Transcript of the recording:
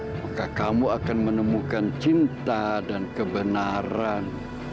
maka kamu akan menemukan cinta dan kebenaran